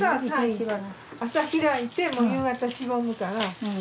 朝開いてもう夕方しぼむから。